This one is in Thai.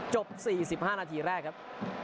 จบ๔๕นาทีแรกครับ